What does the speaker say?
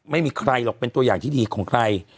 ไม่มีใครหรอกเป็นตัวอย่างที่ดีของใคร